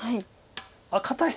あっ堅い。